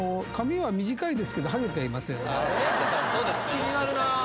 ・気になるな。